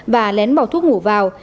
và lén bỏ thuốc ngủ vào